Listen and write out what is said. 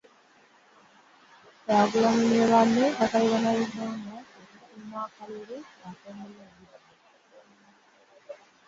Kyagulanyi ne banne basabye Bannayuganda okukuuma akalulu k'omulundi guno